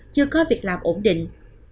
chưa có việc làm ổn định